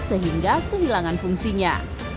sehingga kehilangan fungsinya